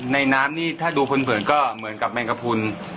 น้ำนี่ถ้าดูเผินก็เหมือนกับแมงกระพุน